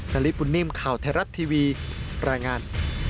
นาริปุ่นนิ่มข่าวไทยรัฐทีวีรายงาน